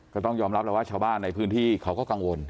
ก็ต้องยอมรับแล้วว่าชาวบ้านในพื้นที่เขาก็กังวล